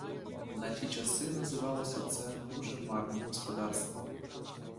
На ті часи називалося це, дуже марним господарством.